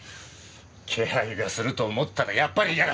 気配がすると思ったらやっぱりいやがった！